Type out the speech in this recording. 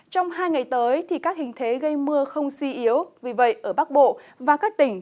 trong hai ngày tới các hình thế gây mưa không suy yếu vì vậy ở bắc bộ và các tỉnh